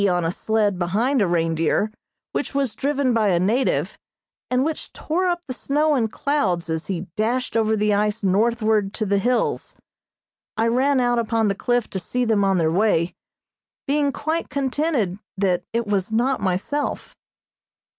on a sled behind a reindeer, which was driven by a native, and which tore up the snow in clouds as he dashed over the ice northward to the hills. I ran out upon the cliff to see them on their way, being quite contented that it was not myself.